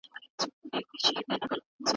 تاسو بايد د تېرو پېښو په څېړنه کي جدي واوسئ.